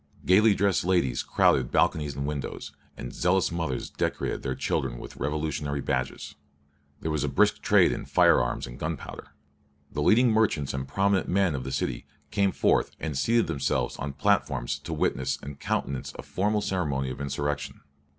Gaily dressed ladies crowded balconies and windows, and zealous mothers decorated their children with revolutionary badges. There was a brisk trade in fire arms and gunpowder. The leading merchants and prominent men of the city came forth and seated themselves on platforms to witness and countenance a formal ceremony of insurrection.